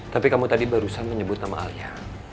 tapi kamu tadi barusan menyebut nama alia